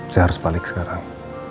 saya balik sekarang